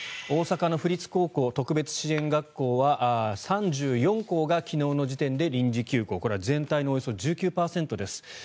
大阪の府立高校、特別支援学校は３４校が昨日の時点で臨時休校これは全体のおよそ１９％です。